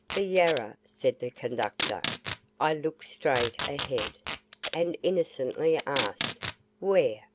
"The Yarra," said the conductor. I looked straight ahead, and innocently asked "Where?"